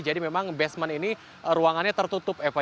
jadi memang basement ini ruangannya tertutup eva